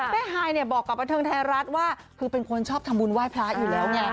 แม่ฮายบอกกับประเทิงแท้รัฐว่าคือเป็นคนชอบทำบุญไหว้พระอยู่แล้ว